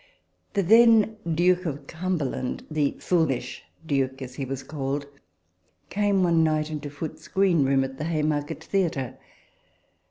The then Duke of Cumberland (the foolish * Duke, as he was called) came one night into Foote's green room at the Haymarket Theatre.